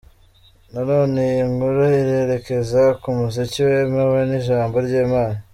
Na none iyi nkuru irerekeza ku umuziki wemewe n’ijambo ry’Imana.